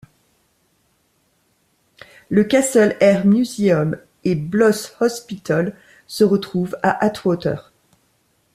Le Castle Air Museum et Bloss Hospital se trouvent à Atwater.